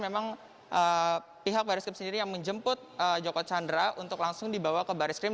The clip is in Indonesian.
memang pihak baris krim sendiri yang menjemput joko chandra untuk langsung dibawa ke baris krim